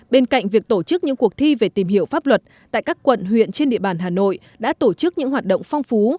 bên cạnh việc tổ chức những cuộc thi về tìm hiểu pháp luật tại các quận huyện trên địa bàn hà nội đã tổ chức những hoạt động phong phú